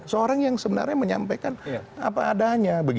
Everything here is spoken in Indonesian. seorang yang sebenarnya menyampaikan apa adanya